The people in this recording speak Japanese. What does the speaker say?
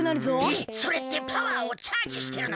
えっそれってパワーをチャージしてるのか？